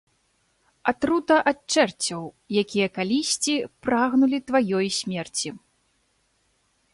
Атрута ад чэрцяў, якія калісьці прагнулі тваёй смерці.